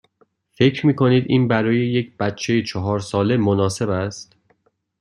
فکر می کنید این برای یک بچه چهار ساله مناسب است؟